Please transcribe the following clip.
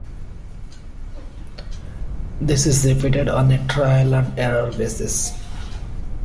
This is repeated on a trial and error basis.